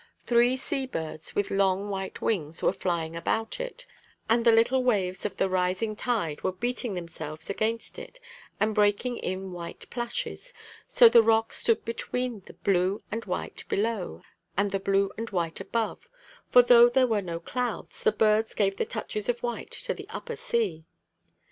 Three sea birds, with long white wings, were flying about it, and the little waves of the rising tide were beating themselves against it and breaking in white plashes. So the rock stood between the blue and white below and the blue and white above; for, though there were no clouds, the birds gave the touches of white to the upper sea."